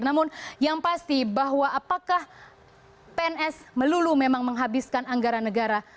namun yang pasti bahwa apakah pns melulu memang menghabiskan anggaran negara